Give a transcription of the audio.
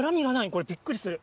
これ、びっくりする。